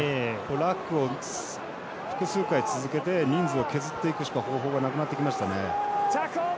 ラックを複数回、続けて人数を削っていくしか方法がなくなってきましたね。